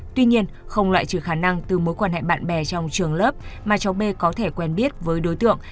tuy nhiên không loại trừ khả năng từ mối quan hệ bạn bè trong trường lớp mà cháu b có thể quen biết với đối tượng